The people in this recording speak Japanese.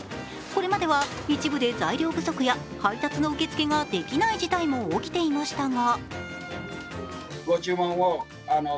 これまでは一部で材料不足や配達の受け付けもできない事態も起きていましたが。